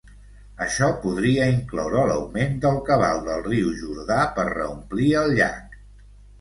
Això podria incloure l'augment del cabal del riu Jordà per reomplir el llac.